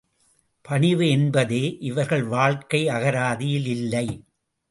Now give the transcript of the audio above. பணிவு என்பதே இவர்கள் வாழ்க்கை அகராதியில் இல்லை.